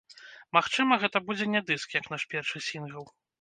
Магчыма, гэта будзе не дыск, як наш першы сінгл.